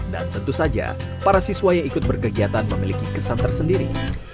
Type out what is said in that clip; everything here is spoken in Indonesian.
tentu saja para siswa yang ikut berkegiatan memiliki kesan tersendiri